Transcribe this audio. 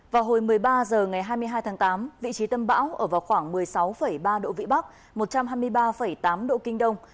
vào hồi một mươi ba h ngày hai mươi hai tháng tám vị trí tâm bão ở vào khoảng một mươi sáu ba độ vĩ bắc một trăm hai mươi ba tám độ kinh đông